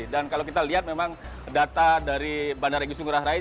dan kalau kita lihat memang data dari bandara inggris tenggara rai